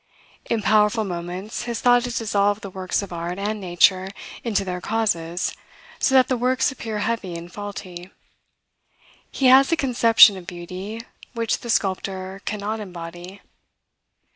In powerful moments, his thought has dissolved the works of art and nature into their causes, so that the works appear heavy and faulty. He has a conception of beauty which the sculptor cannot embody.